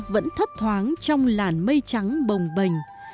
vẫn thấp thoáng trong làn mây trắng bồng bềnh